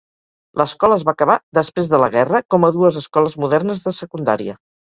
L'escola es va acabar després de la guerra com a dues escoles modernes de secundària.